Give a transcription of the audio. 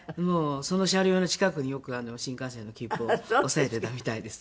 その車両の近くによく新幹線の切符を押さえてたみたいです。